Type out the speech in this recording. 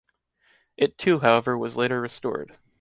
It too however was later restored.